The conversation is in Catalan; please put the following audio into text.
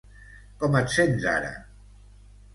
Com et sents ara?